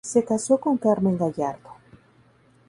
Se casó con Carmen Gallardo.